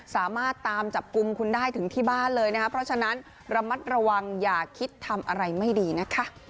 สามารถตามจับกลุ่มคุณได้ถึงที่บ้านเลยนะคะเพราะฉะนั้นระมัดระวังอย่าคิดทำอะไรไม่ดีนะคะ